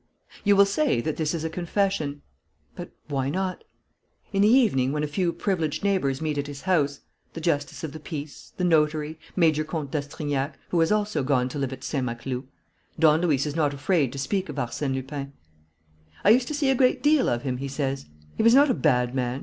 You will say that this is a confession. But why not? In the evening, when a few privileged neighbours meet at his house the justice of the peace, the notary, Major Comte d'Astrignac, who has also gone to live at Saint Maclou Don Luis is not afraid to speak of Arsène Lupin. "I used to see a great deal of him," he says. "He was not a bad man.